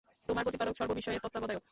তোমার প্রতিপালক সর্ব বিষয়ের তত্ত্বাবধায়ক।